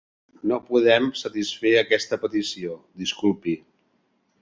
No podem satisfer aquesta petició, disculpi.